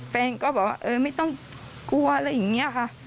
แฟนก็บอกว่าเออไม่ต้องกลัวอะไรอย่างนี้ค่ะ